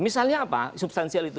misalnya apa substansial itu